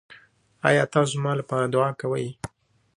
ایا تاسو زما لپاره دعا کوئ؟